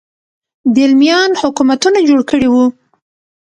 دیلمیان حکومتونه جوړ کړي وو